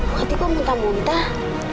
hati kok muntah muntah